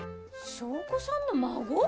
「祥子さんの孫？」